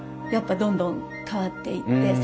やっぱどんどん変わっていって。